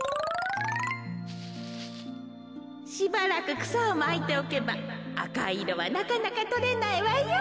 しばらくくさをまいておけばあかいいろはなかなかとれないわよ。